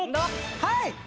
はい！